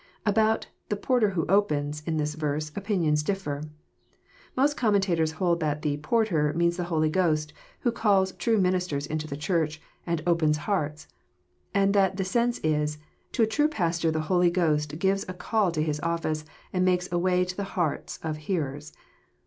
About " the porter who opens," in this verse, opinions differ. Most commentators hold that the <* porter" means the Holy Ghost, who calls true ministers into the Church, and " opens hearts ;*' and that the sense is, to a true pastor the Holy Ghost gives a call to his office, and makes a way into the hearts of hearers."